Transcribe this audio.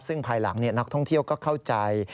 ซึ่งภายหลังนักท่องเที่ยวก็เข้าใจ